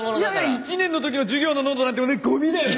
１年の時の授業のノートなんてゴミだよな。